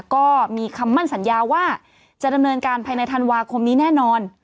ก็มีคำมั่นสัญญาว่าจะดำเนินการภายในธันวาคมนี้แน่นอน